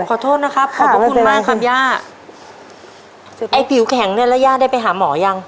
ขอโทษนะครับขอบพระคุณมากครับย่าไอ้ผิวแข็งเนี้ยแล้วย่าได้ไปหาหมอยัง